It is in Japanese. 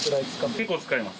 結構使います。